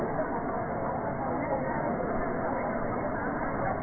ก็จะมีอันดับอันดับอันดับอันดับอันดับ